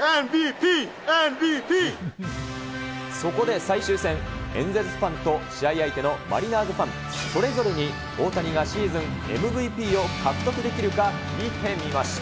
そこで最終戦、エンゼルスファンと試合相手のマリナーズファン、それぞれに大谷がシーズンＭＶＰを獲得できるか聞いてみました。